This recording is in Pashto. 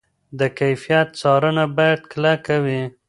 د کیفیت څارنه باید کلکه وي.